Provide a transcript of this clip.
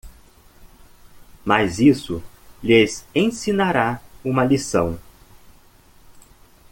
Mas isso lhes ensinará uma lição.